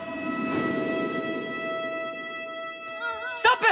ストップ！